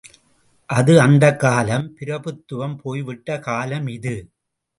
அது அந்தக் காலம் பிரபுத்துவம் போய்விட்ட காலம் இது.